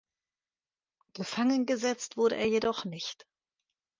Gefangen gesetzt wurde er jedoch nicht.